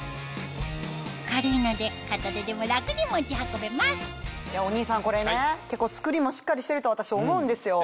軽いので片手でも楽に持ち運べますお兄さんこれね結構作りもしっかりしてると私思うんですよ。